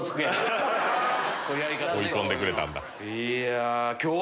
追い込んでくれたんだ。